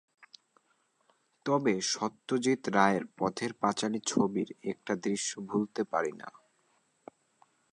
তবে সত্যজিৎ রায়ের পথের পাঁচালী ছবির একটা দৃশ্য ভুলতে পারি না।